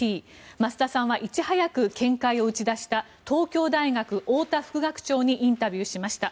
増田さんはいち早く見解を打ち出した東京大学、太田副学長にインタビューしました。